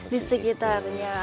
di sekitar ya